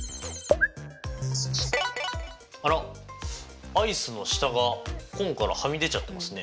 あらっアイスの下がコーンからはみ出ちゃってますね。